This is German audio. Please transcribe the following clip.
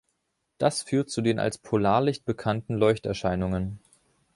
Das führt zu den als Polarlicht bekannten Leuchterscheinungen.